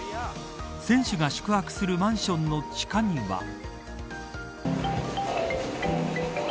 選手が宿泊するマンションの地下には。